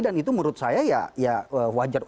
dan itu menurut saya ya wajar